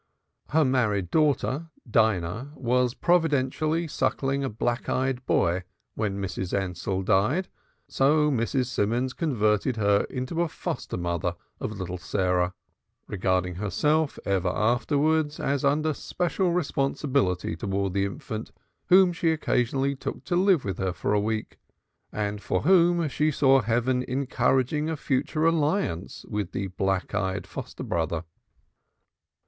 Her married daughter Dinah was providentially suckling a black eyed boy when Mrs. Ansell died, so Mrs. Simons converted her into a foster mother of little Sarah, regarding herself ever afterwards as under special responsibilities toward the infant, whom she occasionally took to live with her for a week, and for whom she saw heaven encouraging a future alliance with the black eyed foster brother.